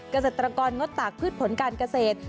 เกษตรกรงดตากพืชผลการเกษตร